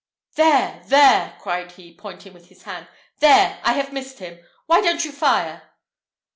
"There! there!" cried he, pointing with his hand: "there, I have missed him! Why don't you fire?"